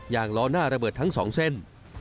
อย่างล้อหน้าระเบิดทั้ง๒เซน